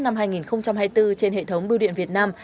năm hai nghìn hai mươi bốn trên hệ thống bưu điện việt nam